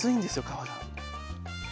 皮が。